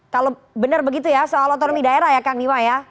kalau benar begitu ya soal otonomi daerah ya kang bima ya